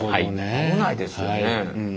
危ないですよね。